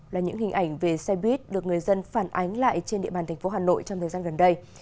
là những hình ảnh về xe buýt được người dân phản ánh lại trên địa bàn tp hà nội trong thời gian gần đây